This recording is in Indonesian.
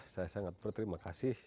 saya sangat berterima kasih